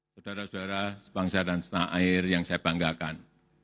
saudara saudara sebangsa dan setanah air yang saya banggakan